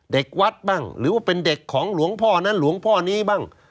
เด็กวัดบ้างหรือว่าเป็นเด็กของหลวงพ่อนั้นหลวงพ่อนี้บ้าง